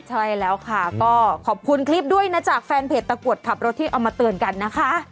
ใช่แล้วค่ะก็ขอบคุณคลิปด้วยนะจากแฟนเพจตะกรวดขับรถที่เอามาเตือนกันนะคะ